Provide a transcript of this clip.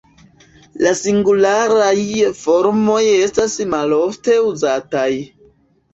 La singularaj formoj estas malofte uzataj.